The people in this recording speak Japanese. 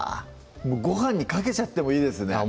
ごはんにかけちゃってもいいですねあっ